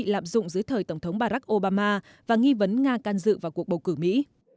lạm dụng dưới thời tổng thống barack obama và nghi vấn nga can dự vào cuộc bầu cử mỹ